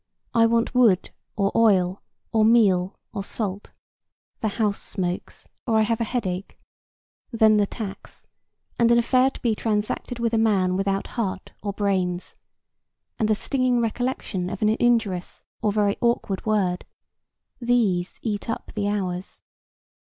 I want wood or oil, or meal or salt; the house smokes, or I have a headache; then the tax, and an affair to be transacted with a man without heart or brains, and the stinging recollection of an injurious or very awkward word,—these eat up the hours.